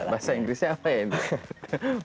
bahasa inggrisnya apa ya ini